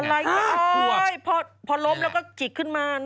อะไรนี่โอ๊ยพอล้มแล้วก็จิกขึ้นมา